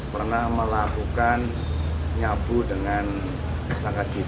pernah melakukan nyabu dengan sangat jelas